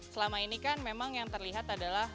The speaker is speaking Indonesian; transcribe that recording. selama ini kan memang yang terlihat adalah